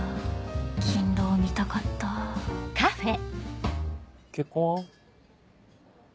『金ロー』見たかった結婚は？